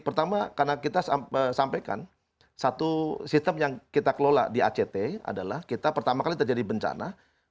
pertama karena kita sampaikan satu sistem yang kita kelola di act adalah kita pertama kali terjadi bencana